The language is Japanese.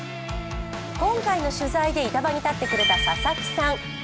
今回の取材で板場に立ってくれた佐々木さん。